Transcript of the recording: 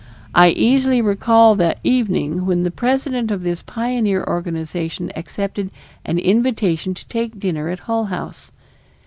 I easily recall the evening when the president of this pioneer organization accepted an invitation to take dinner at Hull House.